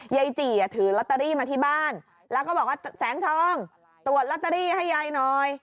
ยายจีถือลอตเตอรี่มาที่บ้านแล้วก็บอกว่าแสงทองตรวจลอตเตอรี่ให้ยายหน่อย